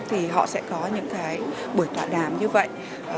thì họ sẽ có những cái buổi tọa đàm như vậy